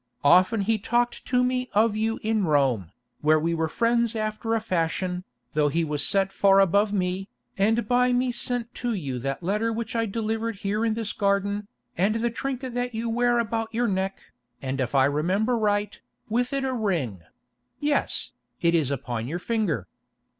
Often he talked to me of you in Rome, where we were friends after a fashion, though he was set far above me, and by me sent to you that letter which I delivered here in this garden, and the trinket that you wear about your neck, and if I remember right, with it a ring—yes, it is upon your finger.